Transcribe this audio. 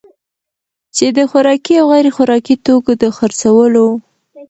چي د خوراکي او غیر خوراکي توکو دخرڅولو